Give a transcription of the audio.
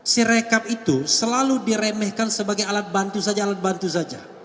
sirekap itu selalu diremehkan sebagai alat bantu saja alat bantu saja